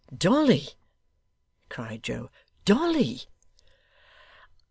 'Dolly!' cried Joe. 'Dolly!